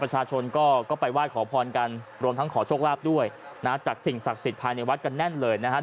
ประชาชนก็ไปไหว้ขอพรกันรวมทั้งขอโชคลาภด้วยนะจากสิ่งศักดิ์สิทธิภายในวัดกันแน่นเลยนะครับ